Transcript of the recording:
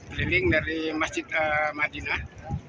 berliling dari masjid madinah